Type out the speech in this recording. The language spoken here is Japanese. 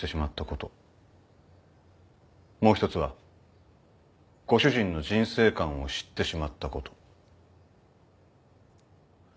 もう一つはご主人の人生観を知ってしまったこと。